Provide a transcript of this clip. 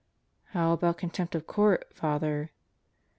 "How about contempt of court, Father?"